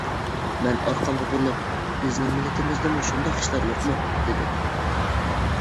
مەن ئارقامغا بۇرۇلۇپ: «بىزنىڭ مىللىتىمىزدىمۇ شۇنداق ئىشلار يوقمۇ؟ » دېدىم.